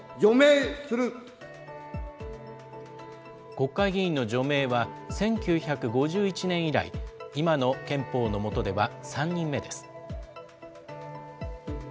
国会議員の除名は１９５１年以来、今の憲法のもとでは３人目です。